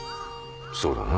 そうだな。